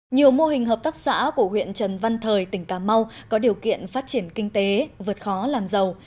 nhiều mô hình hợp tác xã của huyện trần văn thời tỉnh cà mau có điều kiện phát triển kinh tế vượt khó làm giàu